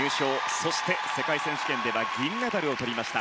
そして、世界選手権では銀メダルをとりました。